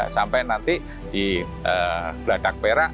sampai nanti di beladak perak